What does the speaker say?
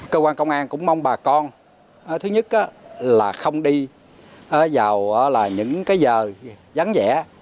cơ quan công an cũng mong bà con thứ nhất là không đi vào những giờ vắng vẻ